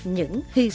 những hy sinh